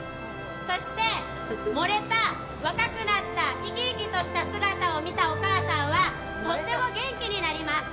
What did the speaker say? そして、盛れた若くなった生き生きとなった姿を見たお母さんはとても元気になります。